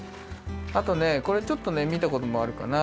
あとねこれちょっとねみたこともあるかな